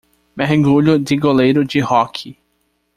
Mergulho de goleiro de hóquei